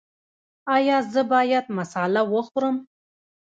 ایا زه باید مساله وخورم؟